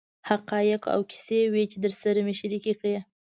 حقایق او کیسې وې چې درسره مې شریکې کړې.